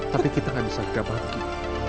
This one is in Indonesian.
tapi kita gak bisa gabah bagi